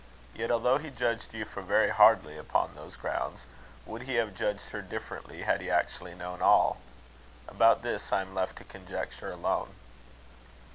Yet, although he judged Euphra very hardly upon those grounds, would he have judged her differently had he actually known all? About this I am left to conjecture alone.